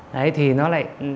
đấy thì nó lại